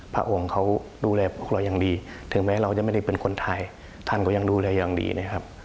พระองค์เขาดูแลพวกเราอย่างดีถึงแม้เราจะไม่ได้เป็นคนไทยท่านก็ยังดูแลอย่างดีนะครับ